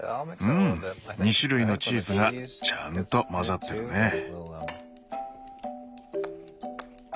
うん２種類のチーズがちゃんと混ざってるね。